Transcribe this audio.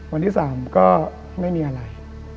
วันที่๓ก็ไม่มีอะไร